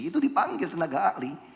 itu dipanggil tenaga akli